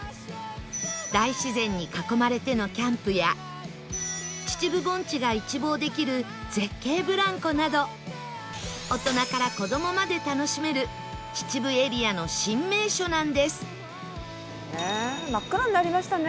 大自然に囲まれてのキャンプや秩父盆地が一望できる絶景ブランコなど大人から子どもまで楽しめる真っ暗になりましたね。